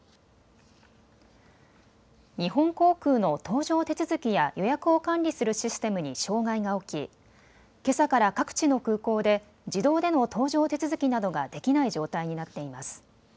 日本航空の搭乗手続きや予約を管理するシステムに障害が起きけさから各地の空港で自動での搭乗手続きなどができない状態になっています。